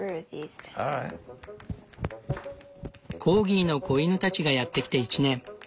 コーギーの子犬たちがやって来て１年。